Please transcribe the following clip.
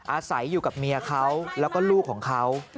อาศัยอยู่กับเมียเขาแล้วก็ลูกของเขา